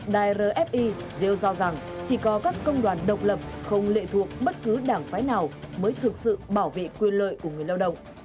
đài rfiel do rằng chỉ có các công đoàn độc lập không lệ thuộc bất cứ đảng phái nào mới thực sự bảo vệ quyền lợi của người lao động